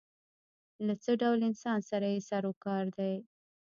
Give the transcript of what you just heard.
له څه ډول انسان سره یې سر و کار دی.